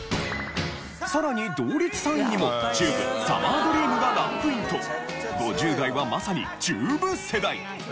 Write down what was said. さらに同率３位にもＴＵＢＥ『サマー・ドリーム』がランクインと５０代はまさにＴＵＢＥ世代。